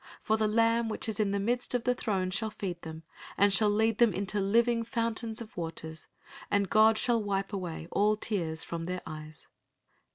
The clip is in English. For the Lamb which is in the midst of the throne shall feed them, and shall lead them into living fountains of waters: and God shall wipe away all tears from their eyes."